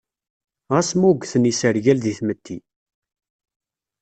Ɣas ma ugten yisergal deg tmetti.